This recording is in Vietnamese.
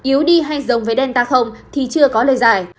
yếu đi hay giống với delta không thì chưa có lời giải